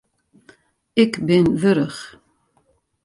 Ik bin wurch.